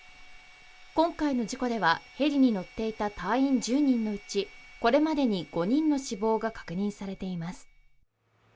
今回の事故ではヘリに乗っていた隊員１０人のうちこれまでに５人の死亡が確認されています。